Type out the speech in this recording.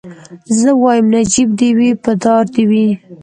زه وايم نجيب دي وي په دار دي وي